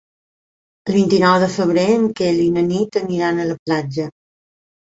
El vint-i-nou de febrer en Quel i na Nit aniran a la platja.